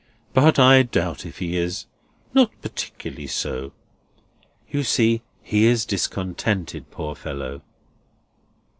"But I doubt if he is. Not particularly so. You see, he is discontented, poor fellow."